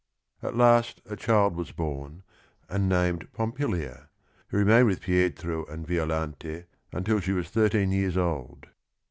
At last a child was born, and named Pompilia, who remained with Pietro and Violante until she was thirteen years old.